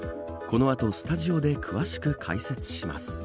この後スタジオで詳しく解説します。